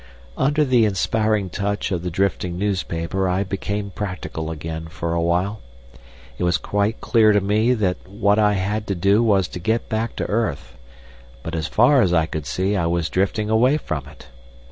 Under the inspiring touch of the drifting newspaper I became practical again for a while. It was quite clear to me that what I had to do was to get back to earth, but as far as I could see I was drifting away from it.